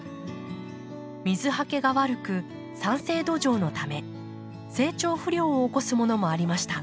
水はけが悪く酸性土壌のため成長不良を起こすものもありました。